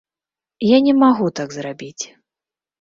Я не магу так зрабіць.